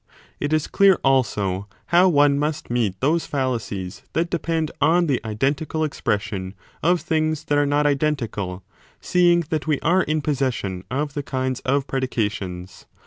It is clear also how one must meet those fallacies that 22 5 depend on the identical expression of things that are not identical, seeing that we are in possession of the kinds of predications.